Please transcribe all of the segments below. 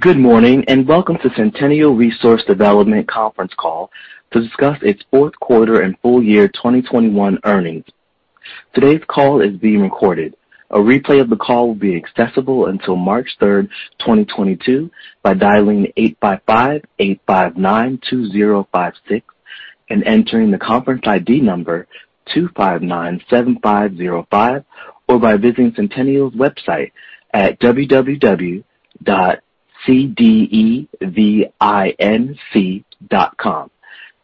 Good morning, and welcome to Centennial Resource Development conference call to discuss its fourth quarter and full year 2021 earnings. Today's call is being recorded. A replay of the call will be accessible until March 3, 2022 by dialing 855-859-2056 and entering the conference ID number 2597505, or by visiting Centennial's website at www.cdevinc.com.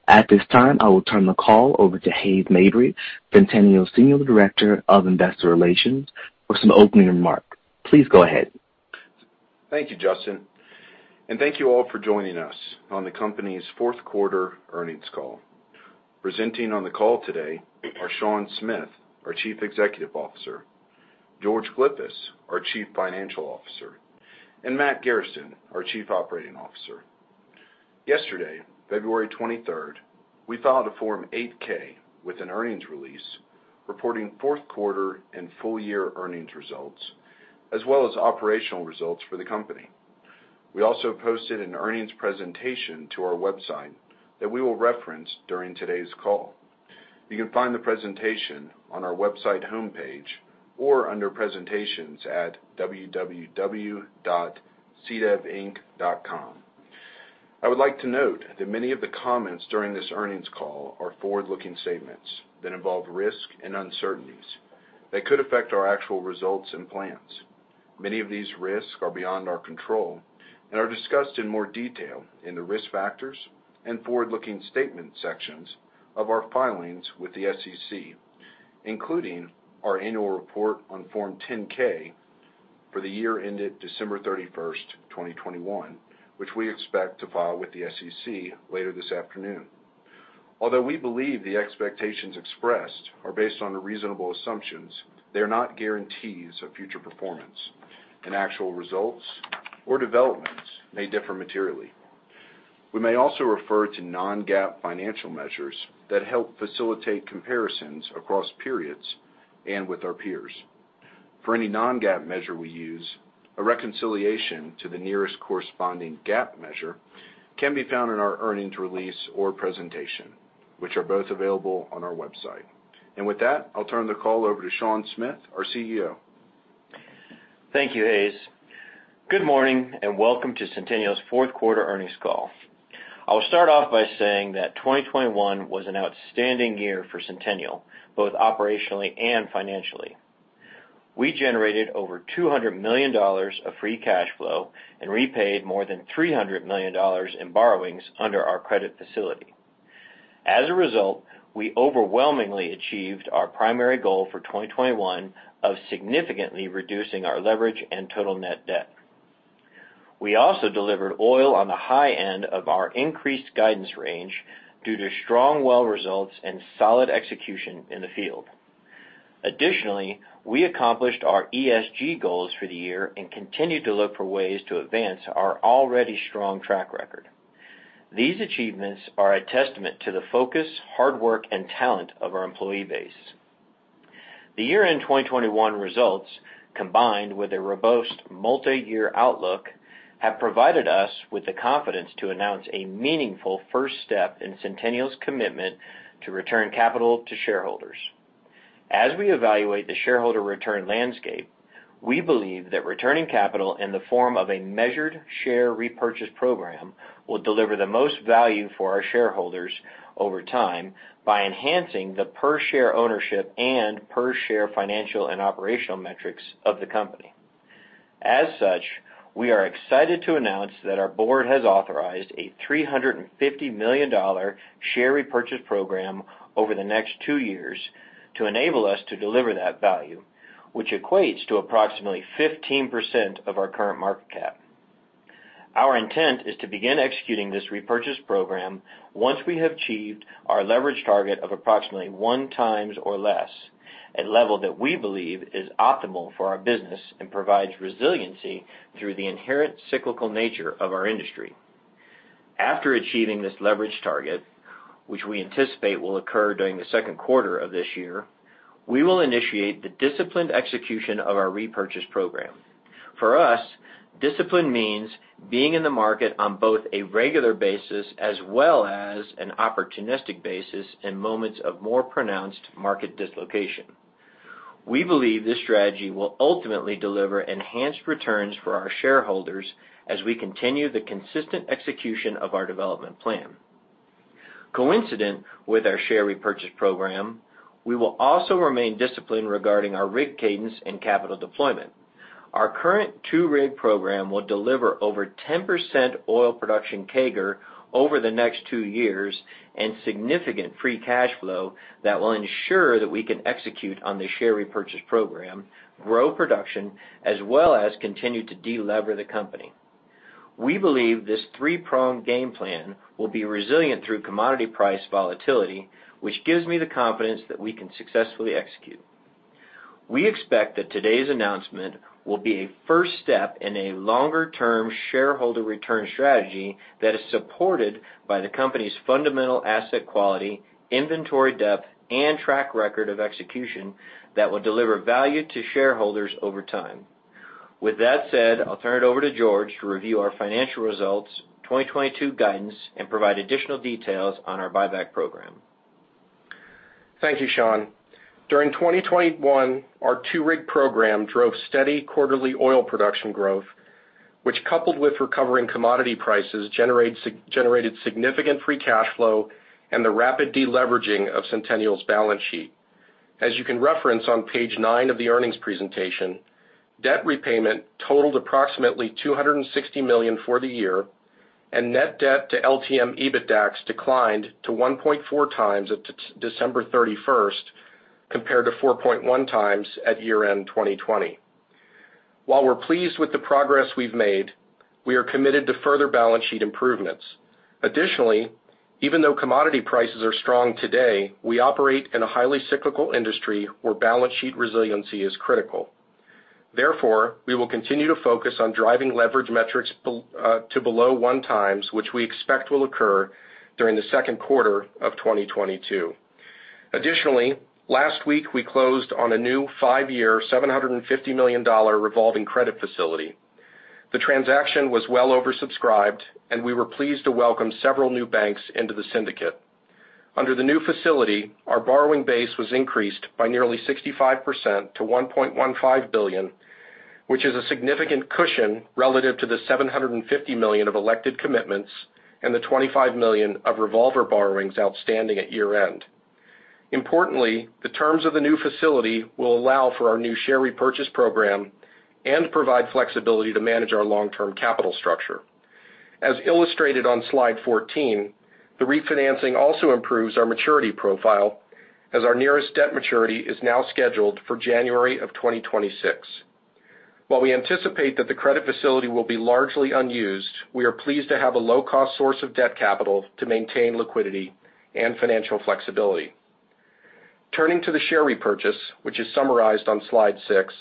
At this time, I will turn the call over to Hays Mabry, Centennial Senior Director of Investor Relations, for some opening remarks. Please go ahead. Thank you, Justin, and thank you all for joining us on the company's fourth quarter earnings call. Presenting on the call today are Sean Smith, our Chief Executive Officer, George Glyphis, our Chief Financial Officer, and Matt Garrison, our Chief Operating Officer. Yesterday, February twenty-third, we filed a Form 8-K with an earnings release reporting fourth quarter and full year earnings results, as well as operational results for the company. We also posted an earnings presentation to our website that we will reference during today's call. You can find the presentation on our website homepage or under presentations at www.cdevinc.com. I would like to note that many of the comments during this earnings call are forward-looking statements that involve risk and uncertainties that could affect our actual results and plans. Many of these risks are beyond our control and are discussed in more detail in the Risk Factors and Forward-Looking Statement sections of our filings with the SEC, including our annual report on Form 10-K for the year ended December 31, 2021, which we expect to file with the SEC later this afternoon. Although we believe the expectations expressed are based on reasonable assumptions, they are not guarantees of future performance, and actual results or developments may differ materially. We may also refer to non-GAAP financial measures that help facilitate comparisons across periods and with our peers. For any non-GAAP measure we use, a reconciliation to the nearest corresponding GAAP measure can be found in our earnings release or presentation, which are both available on our website. With that, I'll turn the call over to Sean Smith, our CEO. Thank you, Hays. Good morning, and welcome to Centennial's fourth quarter earnings call. I'll start off by saying that 2021 was an outstanding year for Centennial, both operationally and financially. We generated over $200 million of free cash flow and repaid more than $300 million in borrowings under our credit facility. As a result, we overwhelmingly achieved our primary goal for 2021 of significantly reducing our leverage and total net debt. We also delivered oil on the high end of our increased guidance range due to strong well results and solid execution in the field. Additionally, we accomplished our ESG goals for the year and continue to look for ways to advance our already strong track record. These achievements are a testament to the focus, hard work, and talent of our employee base. The year-end 2021 results, combined with a robust multi-year outlook, have provided us with the confidence to announce a meaningful first step in Centennial's commitment to return capital to shareholders. As we evaluate the shareholder return landscape, we believe that returning capital in the form of a measured share repurchase program will deliver the most value for our shareholders over time by enhancing the per share ownership and per share financial and operational metrics of the company. As such, we are excited to announce that our board has authorized a $350 million share repurchase program over the next two years to enable us to deliver that value, which equates to approximately 15% of our current market cap. Our intent is to begin executing this repurchase program once we have achieved our leverage target of approximately one times or less, a level that we believe is optimal for our business and provides resiliency through the inherent cyclical nature of our industry. After achieving this leverage target, which we anticipate will occur during the second quarter of this year, we will initiate the disciplined execution of our repurchase program. For us, discipline means being in the market on both a regular basis as well as an opportunistic basis in moments of more pronounced market dislocation. We believe this strategy will ultimately deliver enhanced returns for our shareholders as we continue the consistent execution of our development plan. Coincident with our share repurchase program, we will also remain disciplined regarding our rig cadence and capital deployment. Our current two-rig program will deliver over 10% oil production CAGR over the next two years and significant free cash flow that will ensure that we can execute on the share repurchase program, grow production as well as continue to de-lever the company. We believe this three-pronged game plan will be resilient through commodity price volatility, which gives me the confidence that we can successfully execute. We expect that today's announcement will be a first step in a longer-term shareholder return strategy that is supported by the company's fundamental asset quality, inventory depth, and track record of execution that will deliver value to shareholders over time. With that said, I'll turn it over to George to review our financial results, 2022 guidance, and provide additional details on our buyback program. Thank you, Sean. During 2021, our two-rig program drove steady quarterly oil production growth, which coupled with recovering commodity prices, generated significant free cash flow and the rapid deleveraging of Centennial's balance sheet. As you can reference on page nine of the earnings presentation, debt repayment totaled approximately $260 million for the year, and net debt to LTM EBITDAX declined to 1.4x at December 31, compared to 4.1x at year-end 2020. While we're pleased with the progress we've made, we are committed to further balance sheet improvements. Additionally, even though commodity prices are strong today, we operate in a highly cyclical industry where balance sheet resiliency is critical. Therefore, we will continue to focus on driving leverage metrics to below 1x, which we expect will occur during the second quarter of 2022. Additionally, last week, we closed on a new five-year, $750 million revolving credit facility. The transaction was well oversubscribed, and we were pleased to welcome several new banks into the syndicate. Under the new facility, our borrowing base was increased by nearly 65% to $1.15 billion, which is a significant cushion relative to the $750 million of elected commitments and the $25 million of revolver borrowings outstanding at year-end. Importantly, the terms of the new facility will allow for our new share repurchase program and provide flexibility to manage our long-term capital structure. As illustrated on slide 14, the refinancing also improves our maturity profile as our nearest debt maturity is now scheduled for January of 2026. While we anticipate that the credit facility will be largely unused, we are pleased to have a low-cost source of debt capital to maintain liquidity and financial flexibility. Turning to the share repurchase, which is summarized on slide six,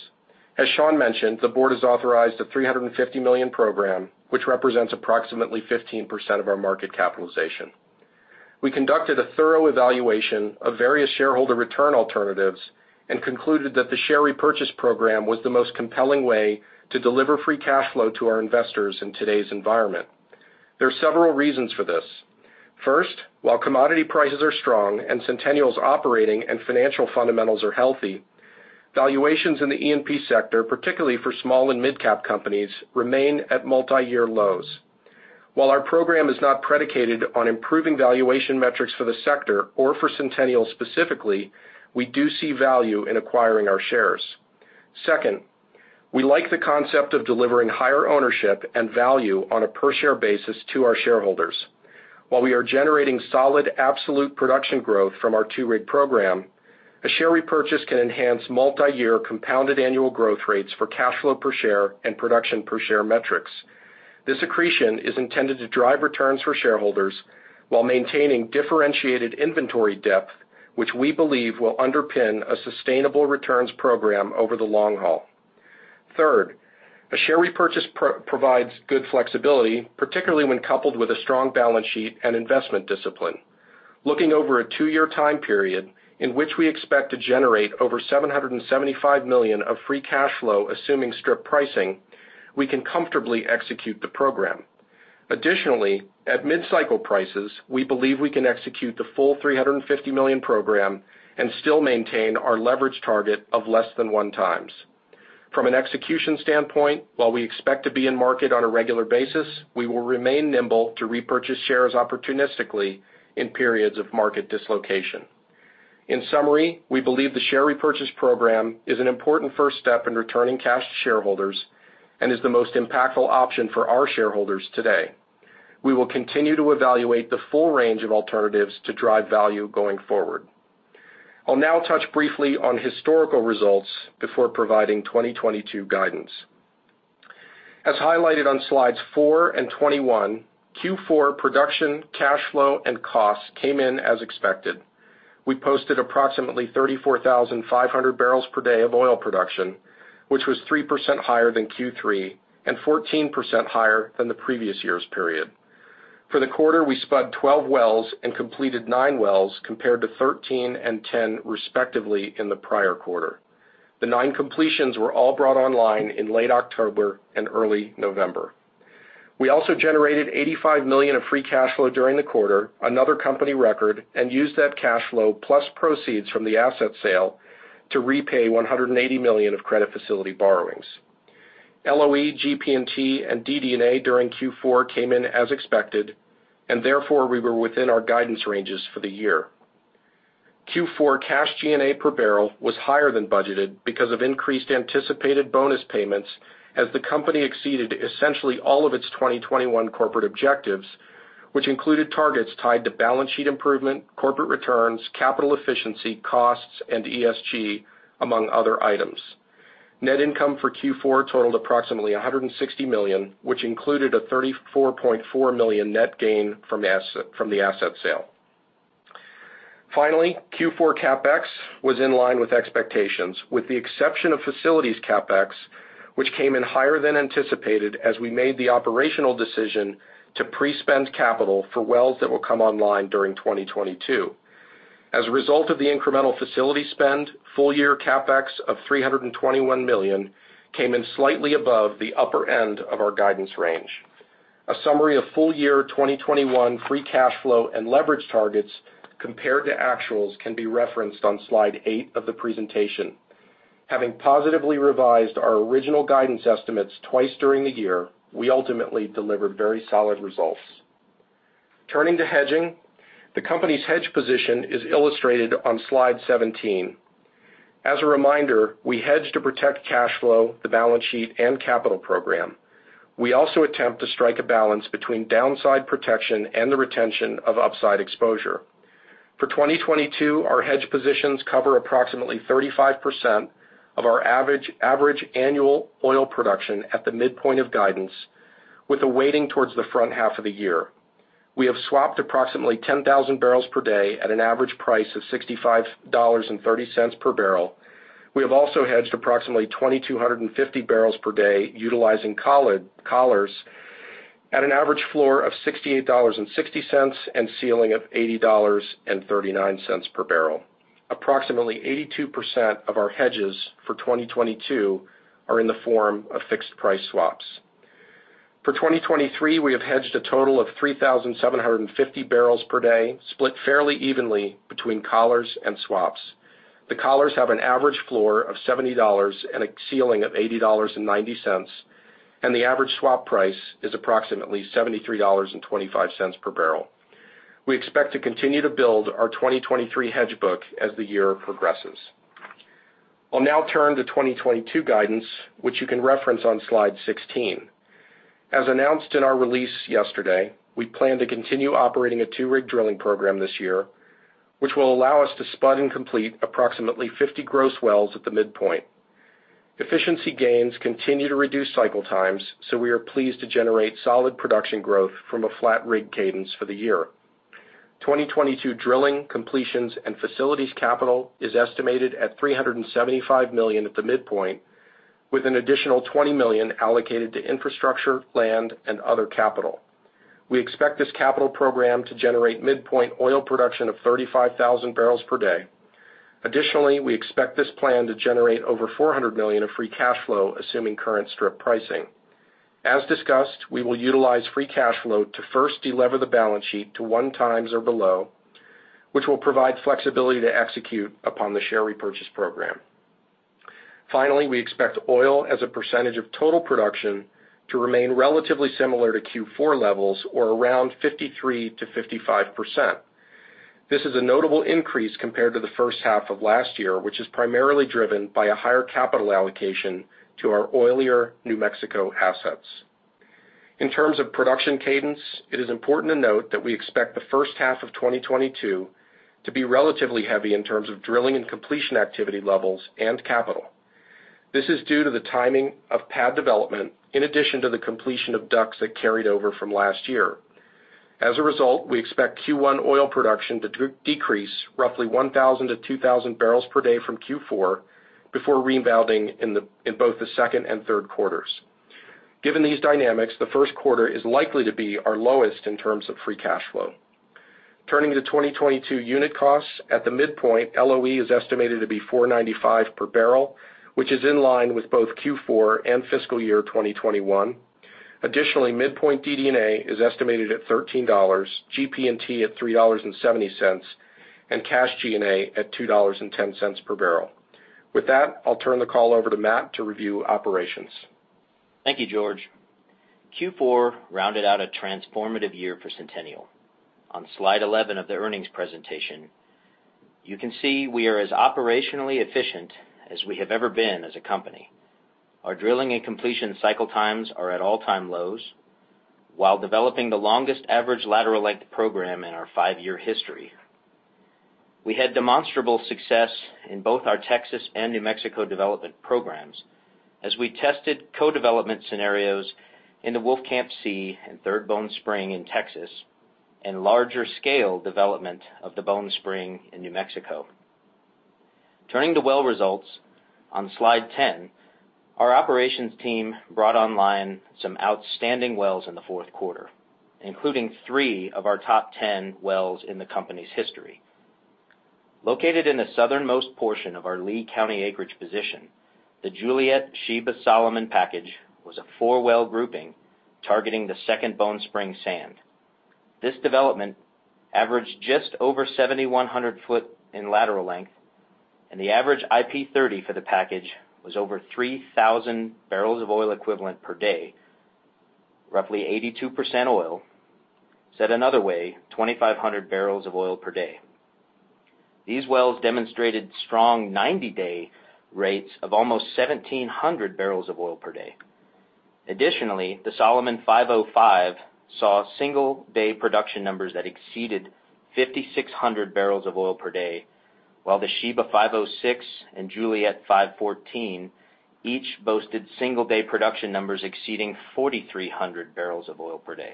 as Sean mentioned, the board has authorized a $350 million program, which represents approximately 15% of our market capitalization. We conducted a thorough evaluation of various shareholder return alternatives and concluded that the share repurchase program was the most compelling way to deliver free cash flow to our investors in today's environment. There are several reasons for this. First, while commodity prices are strong and Centennial's operating and financial fundamentals are healthy, valuations in the E&P sector, particularly for small and mid-cap companies, remain at multiyear lows. While our program is not predicated on improving valuation metrics for the sector or for Centennial specifically, we do see value in acquiring our shares. Second, we like the concept of delivering higher ownership and value on a per share basis to our shareholders. While we are generating solid absolute production growth from our two-rig program, a share repurchase can enhance multiyear compounded annual growth rates for cash flow per share and production per share metrics. This accretion is intended to drive returns for shareholders while maintaining differentiated inventory depth, which we believe will underpin a sustainable returns program over the long haul. Third, a share repurchase provides good flexibility, particularly when coupled with a strong balance sheet and investment discipline. Looking over a two-year time period in which we expect to generate over $775 million of free cash flow, assuming strip pricing, we can comfortably execute the program. Additionally, at mid-cycle prices, we believe we can execute the full $350 million program and still maintain our leverage target of less than 1x. From an execution standpoint, while we expect to be in market on a regular basis, we will remain nimble to repurchase shares opportunistically in periods of market dislocation. In summary, we believe the share repurchase program is an important first step in returning cash to shareholders and is the most impactful option for our shareholders today. We will continue to evaluate the full range of alternatives to drive value going forward. I'll now touch briefly on historical results before providing 2022 guidance. As highlighted on slides four and 21, Q4 production, cash flow, and costs came in as expected. We posted approximately 34,500 barrels per day of oil production, which was 3% higher than Q3 and 14% higher than the previous year's period. For the quarter, we spudded 12 wells and completed nine wells, compared to 13 and 10, respectively, in the prior quarter. The nine completions were all brought online in late October and early November. We also generated $85 million of free cash flow during the quarter, another company record, and used that cash flow plus proceeds from the asset sale to repay $180 million of credit facility borrowings. LOE, GP&T, and DD&A during Q4 came in as expected, and therefore, we were within our guidance ranges for the year. Q4 cash G&A per barrel was higher than budgeted because of increased anticipated bonus payments as the company exceeded essentially all of its 2021 corporate objectives, which included targets tied to balance sheet improvement, corporate returns, capital efficiency, costs, and ESG, among other items. Net income for Q4 totaled approximately $160 million, which included a $34.4 million net gain from the asset sale. Finally, Q4 CapEx was in line with expectations, with the exception of facilities CapEx, which came in higher than anticipated as we made the operational decision to pre-spend capital for wells that will come online during 2022. As a result of the incremental facility spend, full year CapEx of $321 million came in slightly above the upper end of our guidance range. A summary of full year 2021 free cash flow and leverage targets compared to actuals can be referenced on slide eight of the presentation. Having positively revised our original guidance estimates twice during the year, we ultimately delivered very solid results. Turning to hedging, the company's hedge position is illustrated on slide 17. As a reminder, we hedge to protect cash flow, the balance sheet, and capital program. We also attempt to strike a balance between downside protection and the retention of upside exposure. For 2022, our hedge positions cover approximately 35% of our average annual oil production at the midpoint of guidance, with a weighting towards the front half of the year. We have swapped approximately 10,000 barrels per day at an average price of $65.30 per barrel. We have also hedged approximately 2,250 barrels per day utilizing collars at an average floor of $68.60, and ceiling of $80.39 per barrel. Approximately 82% of our hedges for 2022 are in the form of fixed price swaps. For 2023, we have hedged a total of 3,750 barrels per day, split fairly evenly between collars and swaps. The collars have an average floor of $70 and a ceiling of $80.90, and the average swap price is approximately $73.25 per barrel. We expect to continue to build our 2023 hedge book as the year progresses. I'll now turn to 2022 guidance, which you can reference on slide 16. As announced in our release yesterday, we plan to continue operating a two-rig drilling program this year, which will allow us to spud and complete approximately 50 gross wells at the midpoint. Efficiency gains continue to reduce cycle times, so we are pleased to generate solid production growth from a flat rig cadence for the year. 2022 drilling, completions, and facilities capital is estimated at $375 million at the midpoint, with an additional $20 million allocated to infrastructure, land, and other capital. We expect this capital program to generate midpoint oil production of 35,000 barrels per day. Additionally, we expect this plan to generate over $400 million of free cash flow, assuming current strip pricing. As discussed, we will utilize free cash flow to first delever the balance sheet to 1x or below, which will provide flexibility to execute upon the share repurchase program. Finally, we expect oil as a percentage of total production to remain relatively similar to Q4 levels or around 53% to 55%. This is a notable increase compared to the first half of last year, which is primarily driven by a higher capital allocation to our oilier New Mexico assets. In terms of production cadence, it is important to note that we expect the first half of 2022 to be relatively heavy in terms of drilling and completion activity levels and capital. This is due to the timing of pad development, in addition to the completion of DUCs that carried over from last year. As a result, we expect Q1 oil production to decrease roughly 1,000 barrels to 2,000 barrels per day from Q4, before rebounding in both the second and third quarters. Given these dynamics, the first quarter is likely to be our lowest in terms of free cash flow. Turning to 2022 unit costs, at the midpoint, LOE is estimated to be $4.95 per barrel, which is in line with both Q4 and fiscal year 2021. Additionally, midpoint DD&A is estimated at $13, GP&T at $3.70, and cash G&A at $2.10 per barrel. With that, I'll turn the call over to Matt to review operations. Thank you, George. Q4 rounded out a transformative year for Centennial. On slide 11 of the earnings presentation, you can see we are as operationally efficient as we have ever been as a company. Our drilling and completion cycle times are at all-time lows while developing the longest average lateral length program in our five-year history. We had demonstrable success in both our Texas and New Mexico development programs as we tested co-development scenarios in the Wolfcamp C and Third Bone Spring in Texas, and larger scale development of the Bone Spring in New Mexico. Turning to well results on slide 10, our operations team brought online some outstanding wells in the fourth quarter, including three of our top 10 wells in the company's history. Located in the southernmost portion of our Lea County acreage position, the Juliet Sheba Solomon package was a four-well grouping targeting the Second Bone Spring sand. This development averaged just over 7,100 feet in lateral length, and the average IP30 for the package was over 3,000 barrels of oil equivalent per day, roughly 82% oil. Said another way, 2,500 barrels of oil per day. These wells demonstrated strong ninety-day rates of almost 1,700 barrels of oil per day. Additionally, the Solomon 505 saw single-day production numbers that exceeded 5,600 barrels of oil per day, while the Sheba 506 and Juliet 514 each boasted single-day production numbers exceeding 4,300 barrels of oil per day.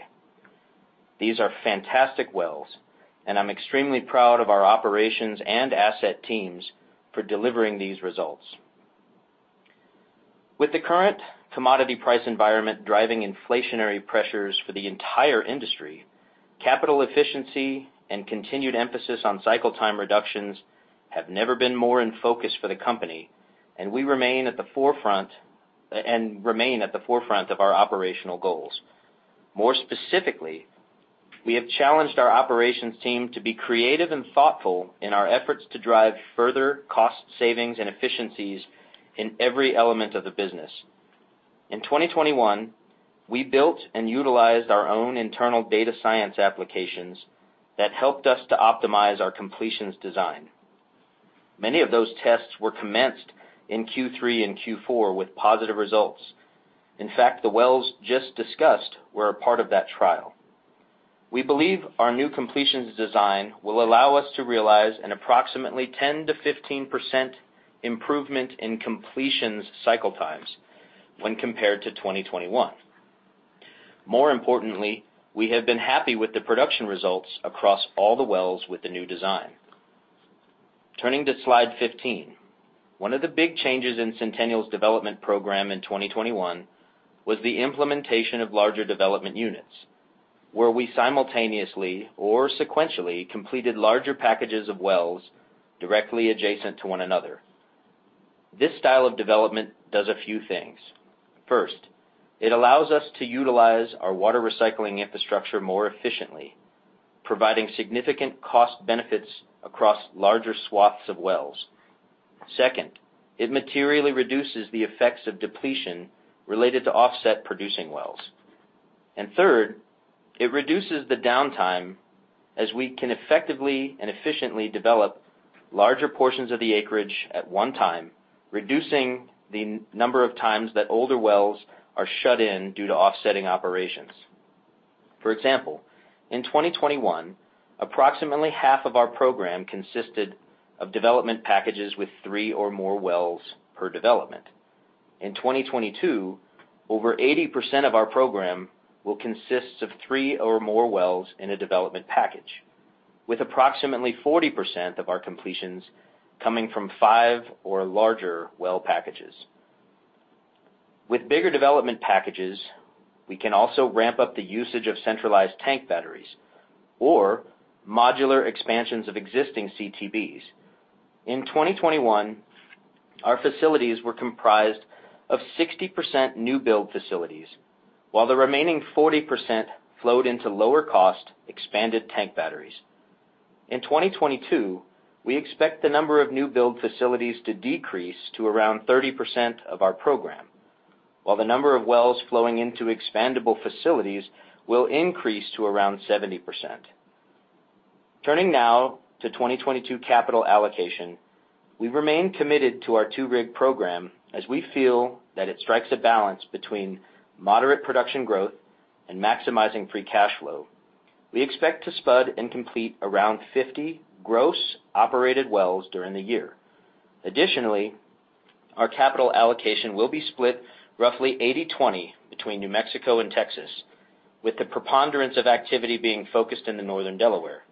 These are fantastic wells, and I'm extremely proud of our operations and asset teams for delivering these results. With the current commodity price environment driving inflationary pressures for the entire industry, capital efficiency and continued emphasis on cycle time reductions have never been more in focus for the company, and we remain at the forefront of our operational goals. More specifically, we have challenged our operations team to be creative and thoughtful in our efforts to drive further cost savings and efficiencies in every element of the business. In 2021, we built and utilized our own internal data science applications that helped us to optimize our completions design. Many of those tests were commenced in Q3 and Q4 with positive results. In fact, the wells just discussed were a part of that trial. We believe our new completions design will allow us to realize an approximately 10% to 15% improvement in completions cycle times when compared to 2021. More importantly, we have been happy with the production results across all the wells with the new design. Turning to slide 15. One of the big changes in Centennial's development program in 2021 was the implementation of larger development units, where we simultaneously or sequentially completed larger packages of wells directly adjacent to one another. This style of development does a few things. First, it allows us to utilize our water recycling infrastructure more efficiently, providing significant cost benefits across larger swaths of wells. Second, it materially reduces the effects of depletion related to offset producing wells. Third, it reduces the downtime as we can effectively and efficiently develop larger portions of the acreage at one time, reducing the number of times that older wells are shut in due to offsetting operations. For example, in 2021, approximately half of our program consisted of development packages with three or more wells per development. In 2022, over 80% of our program will consist of three or more wells in a development package, with approximately 40% of our completions coming from five or larger well packages. With bigger development packages, we can also ramp up the usage of centralized tank batteries or modular expansions of existing CTBs. In 2021, our facilities were comprised of 60% new build facilities, while the remaining 40% flowed into lower cost, expanded tank batteries. In 2022, we expect the number of new build facilities to decrease to around 30% of our program, while the number of wells flowing into expandable facilities will increase to around 70%. Turning now to 2022 capital allocation. We remain committed to our two-rig program as we feel that it strikes a balance between moderate production growth and maximizing free cash flow. We expect to spud and complete around 50 gross operated wells during the year. Additionally, our capital allocation will be split roughly 80/20 between New Mexico and Texas, with the preponderance of activity being focused in the Northern Delaware.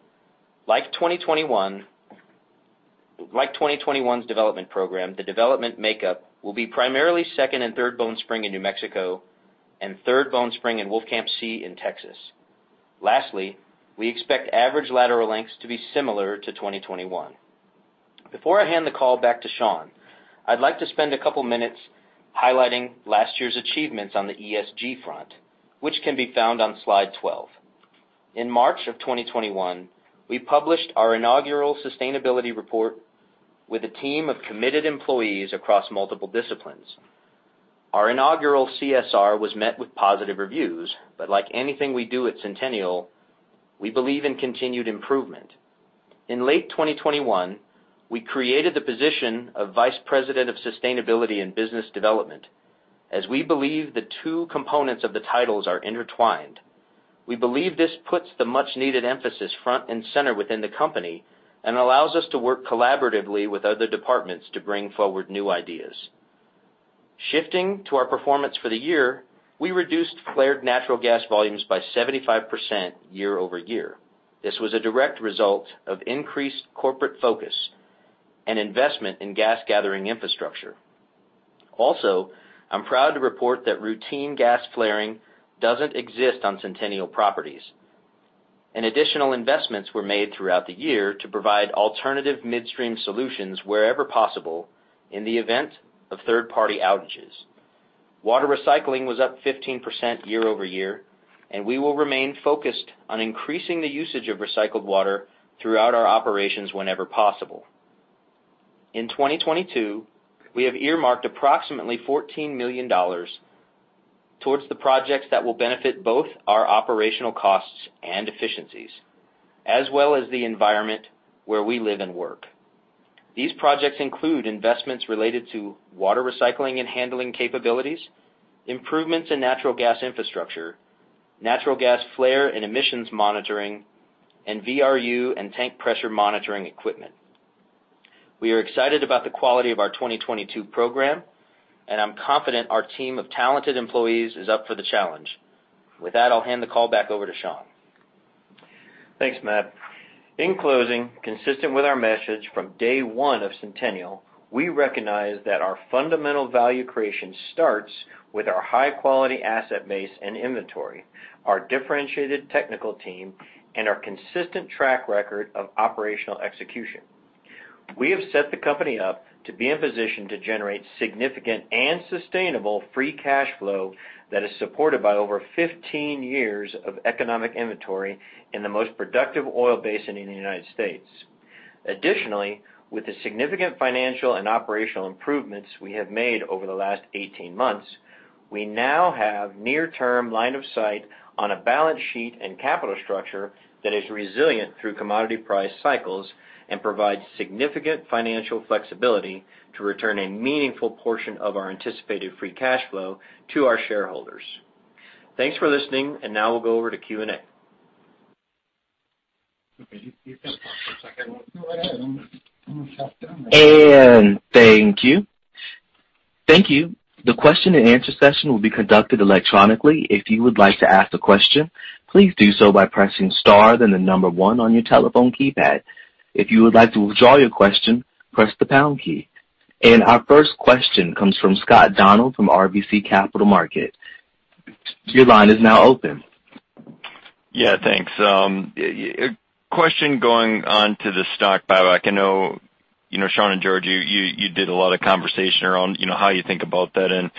Like 2021's development program, the development makeup will be primarily Second and Third Bone Spring in New Mexico and Third Bone Spring in Wolfcamp C in Texas. Lastly, we expect average lateral lengths to be similar to 2021. Before I hand the call back to Sean, I'd like to spend a couple minutes highlighting last year's achievements on the ESG front, which can be found on slide 12. In March of 2021, we published our inaugural sustainability report with a team of committed employees across multiple disciplines. Our inaugural CSR was met with positive reviews, but like anything we do at Centennial, we believe in continued improvement. In late 2021, we created the position of Vice President of Sustainability and Business Development, as we believe the two components of the titles are intertwined. We believe this puts the much-needed emphasis front and center within the company and allows us to work collaboratively with other departments to bring forward new ideas. Shifting to our performance for the year, we reduced flared natural gas volumes by 75% year-over-year. This was a direct result of increased corporate focus and investment in gas gathering infrastructure. Also, I'm proud to report that routine gas flaring doesn't exist on Centennial properties, and additional investments were made throughout the year to provide alternative midstream solutions wherever possible in the event of third-party outages. Water recycling was up 15% year-over-year, and we will remain focused on increasing the usage of recycled water throughout our operations whenever possible. In 2022, we have earmarked approximately $14 million towards the projects that will benefit both our operational costs and efficiencies, as well as the environment where we live and work. These projects include investments related to water recycling and handling capabilities, improvements in natural gas infrastructure, natural gas flare and emissions monitoring, and VRU and tank pressure monitoring equipment. We are excited about the quality of our 2022 program, and I'm confident our team of talented employees is up for the challenge. With that, I'll hand the call back over to Sean. Thanks, Matt. In closing, consistent with our message from day one of Centennial, we recognize that our fundamental value creation starts with our high quality asset base and inventory, our differentiated technical team, and our consistent track record of operational execution. We have set the company up to be in position to generate significant and sustainable free cash flow that is supported by over 15 years of economic inventory in the most productive oil basin in the United States. Additionally, with the significant financial and operational improvements we have made over the last 18 months, we now have near term line of sight on a balance sheet and capital structure that is resilient through commodity price cycles and provides significant financial flexibility to return a meaningful portion of our anticipated free cash flow to our shareholders. Thanks for listening. Now we'll go over to Q&A. Okay. You can talk for a second. No, go ahead. I'm gonna shut down. Our first question comes from Scott Hanold from RBC Capital Markets. Your line is now open. Yeah, thanks. Question on the stock buyback. I know, you know, Sean and George, you did a lot of conversation around, you know, how you think about that and, you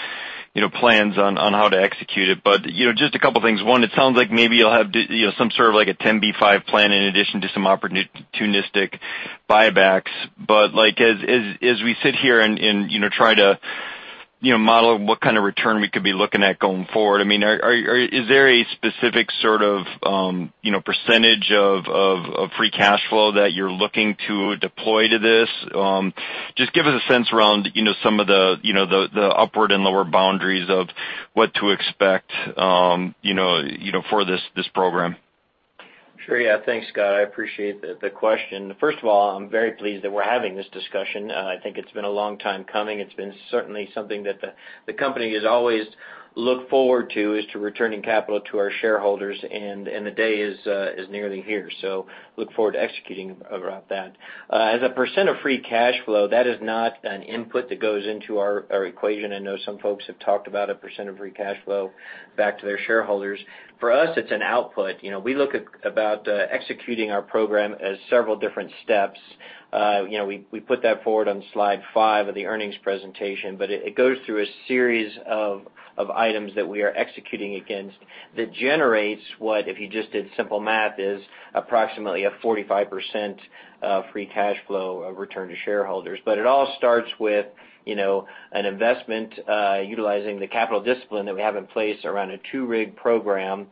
know, plans on how to execute it. You know, just a couple things. One, it sounds like maybe you'll have, you know, some sort of like a 10b5-1 plan in addition to some opportunistic buybacks. Like, as we sit here and, you know, try to, you know, model what kind of return we could be looking at going forward, I mean, are is there a specific sort of, you know, percentage of free cash flow that you're looking to deploy to this? Just give us a sense around, you know, some of the, you know, the upward and lower boundaries of what to expect, you know, for this program? Sure. Yeah. Thanks, Scott. I appreciate the question. First of all, I'm very pleased that we're having this discussion. I think it's been a long time coming. It's been certainly something that the company has always looked forward to, is to returning capital to our shareholders, and the day is nearly here. Look forward to executing about that. As a percent of free cash flow, that is not an input that goes into our equation. I know some folks have talked about a percent of free cash flow back to their shareholders. For us, it's an output. You know, we look at about executing our program as several different steps. You know, we put that forward on slide 5 of the earnings presentation, but it goes through a series of items that we are executing against that generates what, if you just did simple math, is approximately a 45% free cash flow return to shareholders. It all starts with you know, an investment utilizing the capital discipline that we have in place around a two-rig program,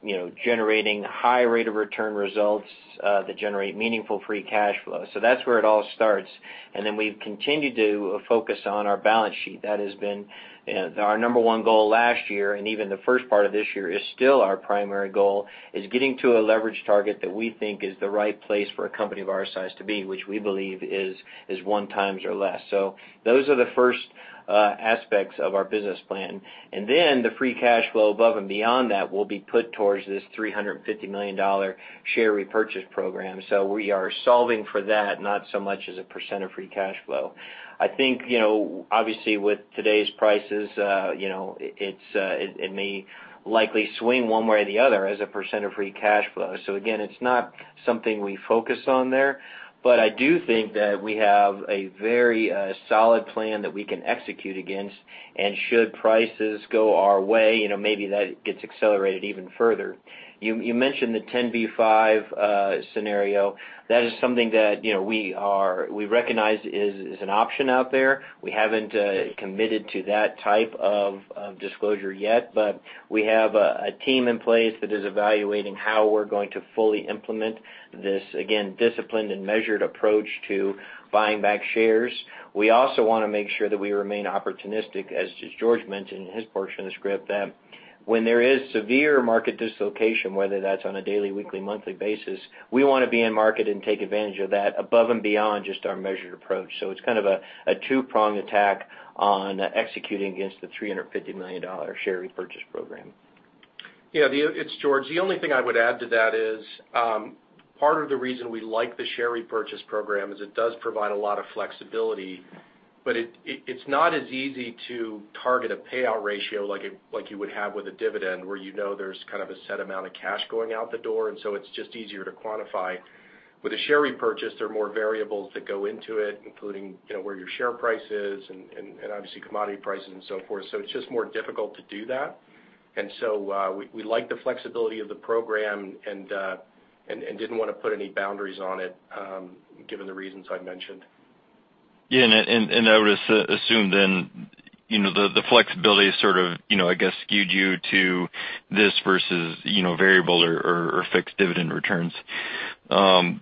you know, generating high rate of return results that generate meaningful free cash flow. That's where it all starts. Then we've continued to focus on our balance sheet. That has been our number one goal last year, and even the first part of this year is still our primary goal, is getting to a leverage target that we think is the right place for a company of our size to be, which we believe is 1x or less. Those are the first aspects of our business plan. Then the free cash flow above and beyond that will be put towards this $350 million share repurchase program. We are solving for that, not so much as a percentage of free cash flow. I think, you know, obviously with today's prices, you know, it may likely swing one way or the other as a percentage of free cash flow. Again, it's not something we focus on there, but I do think that we have a very solid plan that we can execute against, and should prices go our way, you know, maybe that gets accelerated even further. You mentioned the 10b5-1 scenario. That is something that, you know, we recognize is an option out there. We haven't committed to that type of disclosure yet, but we have a team in place that is evaluating how we're going to fully implement this, again, disciplined and measured approach to buying back shares. We also wanna make sure that we remain opportunistic, as George mentioned in his portion of the script, that when there is severe market dislocation, whether that's on a daily, weekly, monthly basis, we wanna be in market and take advantage of that above and beyond just our measured approach. It's kind of a two-pronged attack on executing against the $350 million share repurchase program. Yeah, it's George. The only thing I would add to that is part of the reason we like the share repurchase program is it does provide a lot of flexibility, but it's not as easy to target a payout ratio like you would have with a dividend where you know there's kind of a set amount of cash going out the door, and it's just easier to quantify. With a share repurchase, there are more variables that go into it, including you know where your share price is and obviously commodity prices and so forth. It's just more difficult to do that. We like the flexibility of the program and didn't wanna put any boundaries on it given the reasons I mentioned. Yeah, I would assume then, you know, the flexibility sort of, you know, I guess skewed you to this versus, you know, variable or fixed dividend returns. You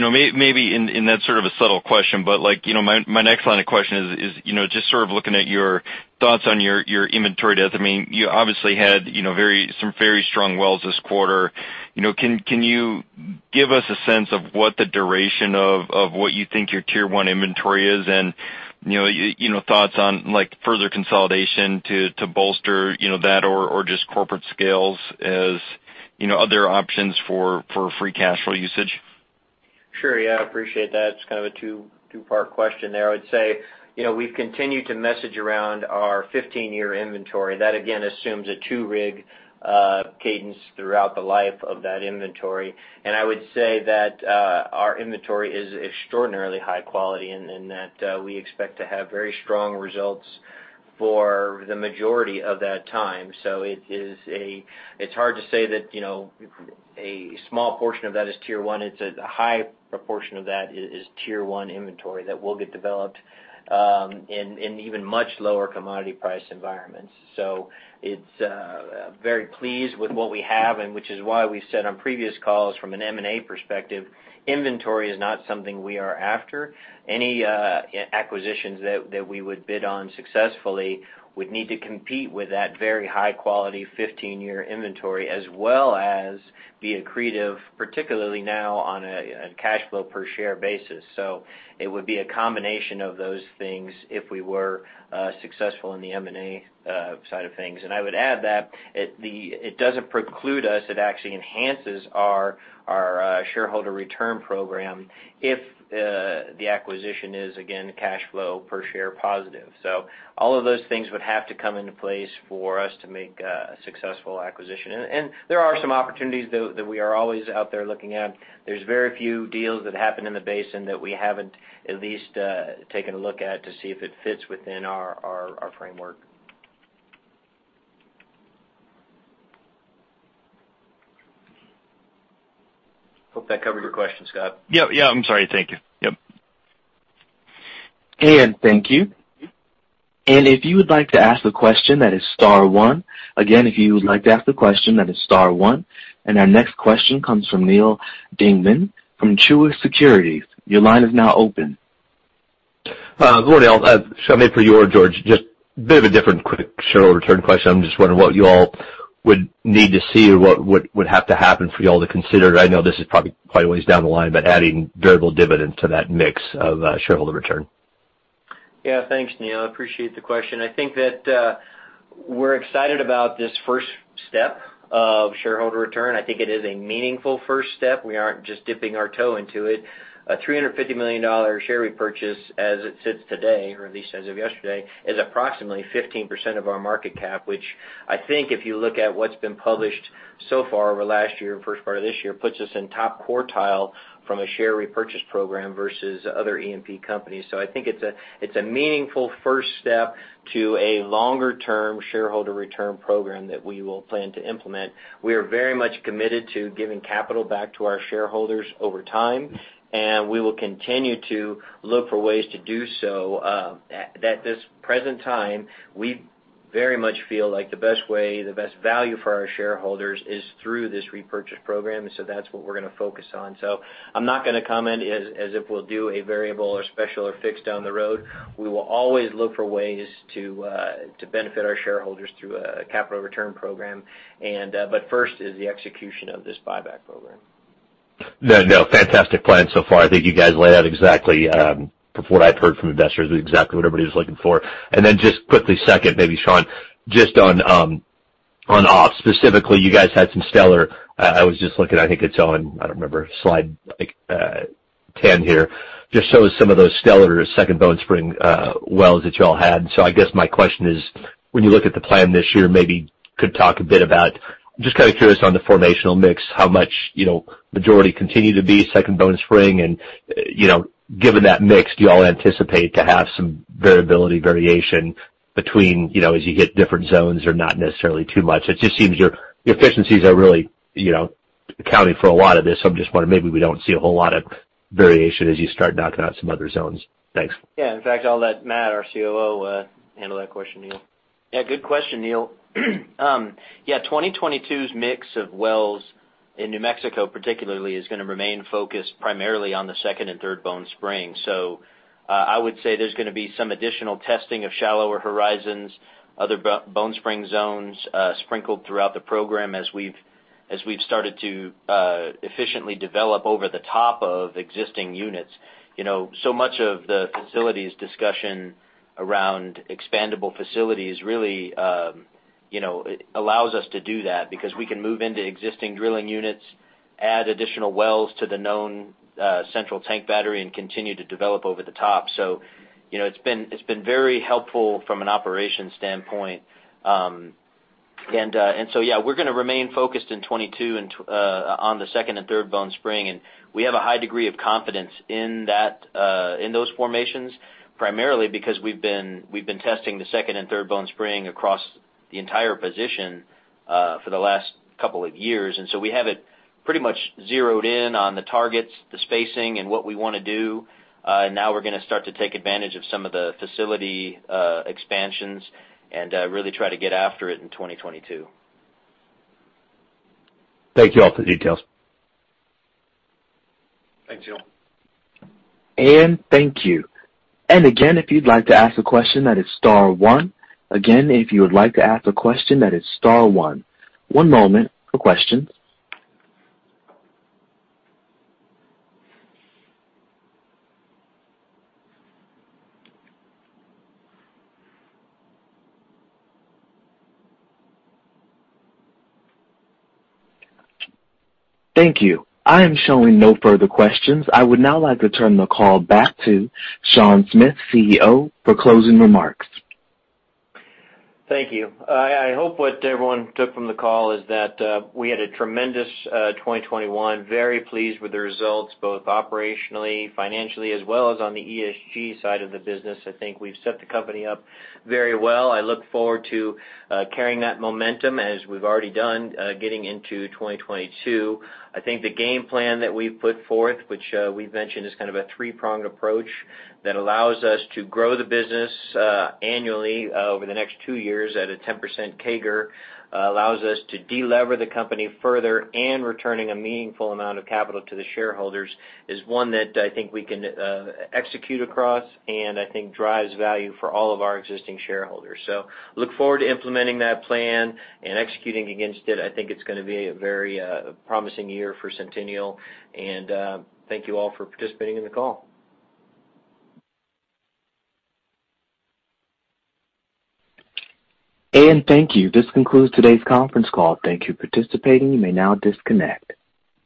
know, maybe in that sort of a subtle question, but, like, you know, my next line of questioning is, you know, just sort of looking at your thoughts on your inventory. That means you obviously had, you know, some very strong wells this quarter. You know, can you give us a sense of what the duration of what you think your tier one inventory is and, you know, thoughts on like further consolidation to bolster, you know, that or just corporate scale as, you know, other options for free cash flow usage. Sure. Yeah, I appreciate that. It's kind of a two-part question there. I would say, you know, we've continued to message around our 15-year inventory. That, again, assumes a two-rig cadence throughout the life of that inventory. I would say that our inventory is extraordinarily high quality and that we expect to have very strong results for the majority of that time. It is hard to say that, you know, a small portion of that is tier one. It's a high proportion of that is tier one inventory that will get developed in even much lower commodity price environments. It's very pleased with what we have and which is why we said on previous calls from an M&A perspective, inventory is not something we are after. Any acquisitions that we would bid on successfully would need to compete with that very high quality 15-year inventory as well as be accretive, particularly now on a cash flow per share basis. It would be a combination of those things if we were successful in the M&A side of things. I would add that it doesn't preclude us. It actually enhances our shareholder return program if the acquisition is again cash flow per share positive. All of those things would have to come into place for us to make a successful acquisition. There are some opportunities that we are always out there looking at. There's very few deals that happen in the basin that we haven't at least taken a look at to see if it fits within our framework. Hope that covered your question, Scott. Yeah. I'm sorry. Thank you. Yep. Thank you. If you would like to ask a question, that is star one. Again, if you would like to ask a question, that is star one. Our next question comes from Neal Dingmann from Truist Securities. Your line is now open. Good morning, all. Sean, maybe for you or George, just a bit of a different quick shareholder return question. I'm just wondering what y'all would need to see or what would have to happen for y'all to consider. I know this is probably quite a ways down the line, but adding variable dividend to that mix of shareholder return. Yeah. Thanks, Neal. Appreciate the question. I think that, we're excited about this first step of shareholder return. I think it is a meaningful first step. We aren't just dipping our toe into it. A $350 million share repurchase as it sits today, or at least as of yesterday, is approximately 15% of our market cap, which I think if you look at what's been published so far over last year and first part of this year, puts us in top quartile from a share repurchase program versus other E&P companies. I think it's a, it's a meaningful first step to a longer-term shareholder return program that we will plan to implement. We are very much committed to giving capital back to our shareholders over time, and we will continue to look for ways to do so. At this present time, we very much feel like the best way, the best value for our shareholders is through this repurchase program, and so that's what we're gonna focus on. I'm not gonna comment as if we'll do a variable or special or fixed down the road. We will always look for ways to benefit our shareholders through a capital return program and, but first is the execution of this buyback program. No, no, fantastic plan so far. I think you guys laid out exactly, from what I've heard from investors, exactly what everybody was looking for. Then just quickly, second, maybe Sean, just on ops, specifically, you guys had some stellar. I was just looking, I think it's on, I don't remember, slide 10 here, just shows some of those stellar Second Bone Spring wells that y'all had. So I guess my question is, when you look at the plan this year, maybe could talk a bit about just kinda curious on the formational mix, how much, you know, majority continue to be Second Bone Spring? You know, given that mix, do y'all anticipate to have some variability, variation between, you know, as you hit different zones or not necessarily too much? It just seems your efficiencies are really, you know, accounting for a lot of this. I'm just wondering, maybe we don't see a whole lot of variation as you start knocking out some other zones. Thanks. Yeah. In fact, I'll let Matt, our COO, handle that question, Neal. Yeah, good question, Neal. Yeah, 2022's mix of wells in New Mexico particularly is gonna remain focused primarily on the Second and Third Bone Spring. I would say there's gonna be some additional testing of shallower horizons, other Bone Spring zones, sprinkled throughout the program as we've started to efficiently develop over the top of existing units. You know, so much of the facilities discussion around expandable facilities really allows us to do that because we can move into existing drilling units, add additional wells to the known Central Tank Battery and continue to develop over the top. You know, it's been very helpful from an operations standpoint. We're gonna remain focused in 2022 on the Second and Third Bone Spring, and we have a high degree of confidence in that in those formations, primarily because we've been testing the Second and Third Bone Spring across the entire position for the last couple of years. We have it pretty much zeroed in on the targets, the spacing and what we wanna do. Now we're gonna start to take advantage of some of the facility expansions and really try to get after it in 2022. Thank you all for the details. Thanks, Neal. Thank you. Again, if you'd like to ask a question, that is star one. Again, if you would like to ask a question, that is star one. One moment for questions. Thank you. I am showing no further questions. I would now like to turn the call back to Sean Smith, CEO, for closing remarks. Thank you. I hope what everyone took from the call is that we had a tremendous 2021. Very pleased with the results, both operationally, financially, as well as on the ESG side of the business. I think we've set the company up very well. I look forward to carrying that momentum as we've already done getting into 2022. I think the game plan that we've put forth, which we've mentioned, is kind of a three-pronged approach that allows us to grow the business annually over the next two years at a 10% CAGR, allows us to de-lever the company further and returning a meaningful amount of capital to the shareholders, is one that I think we can execute across and I think drives value for all of our existing shareholders. Look forward to implementing that plan and executing against it. I think it's gonna be a very promising year for Centennial. Thank you all for participating in the call. Thank you. This concludes today's conference call. Thank you for participating. You may now disconnect.